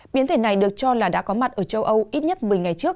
biến thể này được cho là đã có mặt ở châu âu ít nhất một mươi ngày trước